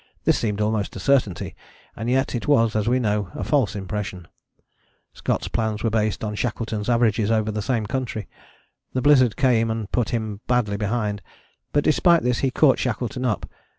This seemed almost a certainty: and yet it was, as we know now, a false impression. Scott's plans were based on Shackleton's averages over the same country. The blizzard came and put him badly behind: but despite this he caught Shackleton up.